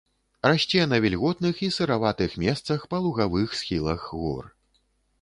Расце на вільготных і сыраватых месцах, па лугавых схілах гор.